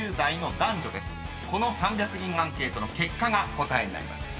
［この３００人アンケートの結果が答えになります］